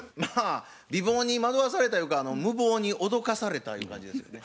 美貌に惑わされたゆうか無謀に脅かされたゆう感じですよね。